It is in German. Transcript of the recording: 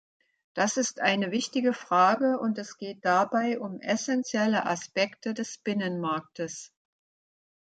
Das ist eine wichtige Frage, und es geht dabei um essenzielle Aspekte des Binnenmarktes.